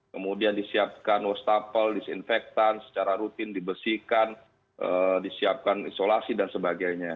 kemudian disiapkan wastafel disinfektan secara rutin dibersihkan disiapkan isolasi dan sebagainya